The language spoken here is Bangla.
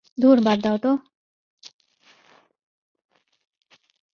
ধুর বাদ দাও তো।